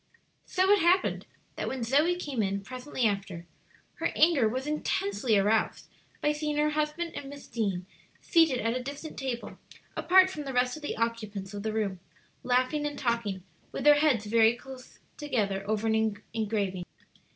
So it happened that when Zoe came in presently after, her anger was intensely aroused by seeing her husband and Miss Deane seated at a distant table, apart from the rest of the occupants of the room, laughing and talking with their heads very close together over an engraving.